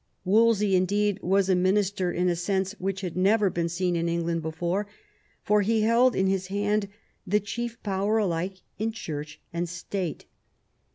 Wolsey, indeed, was a minister in a sense which had never been seen in England before, for he held in his hand the chief power alike in Church and State.